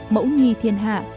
mẫu nghi thiên hạ